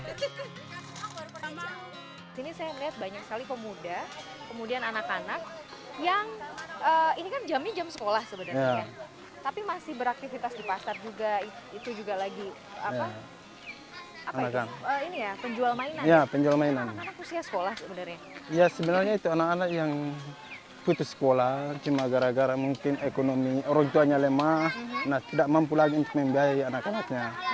di sini saya melihat banyak sekali pemuda kemudian anak anak yang ini kan jamnya jam sekolah sebenarnya